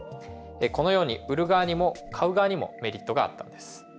このように売る側にも買う側にもメリットがあったんです。